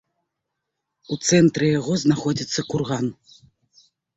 У цэнтры яго знаходзіцца курган.